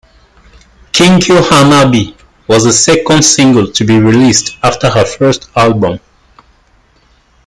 "Kingyo Hanabi" was the second single to be released after her first album.